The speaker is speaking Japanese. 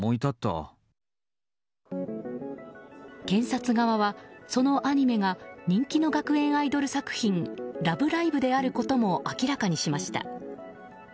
検察側はそのアニメが人気の学園アイドル作品「ラブライブ！」であることも明らかにしました。